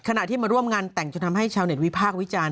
ขณะที่มาร่วมงานแต่งจนทำให้ชาวเน็ตวิพากษ์วิจารณ์